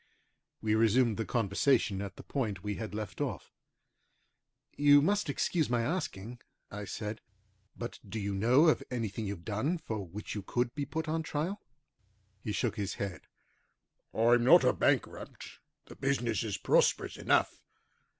We resumed the conversation at the point we had left off. "You must excuse my asking," I said, "but do you know of anything you've done for which you could be put on trial?" He shook his head. "I'm not a bankrupt, the business is prosperous enough.